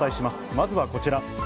まずはこちら。